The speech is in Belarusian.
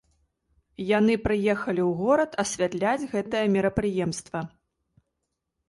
Яны прыехалі ў горад асвятляць гэтае мерапрыемства.